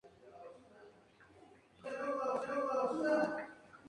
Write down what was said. Tiene el cuerpo achatado, de aspecto grácil.